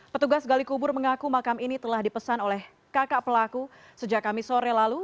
petugas gali kubur mengaku makam ini telah dipesan oleh kakak pelaku sejak kami sore lalu